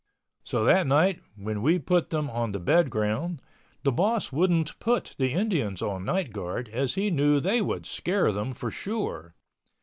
So that night when we put them on the bed ground, the boss wouldn't put the Indians on night guard as he knew they would scare them for sure.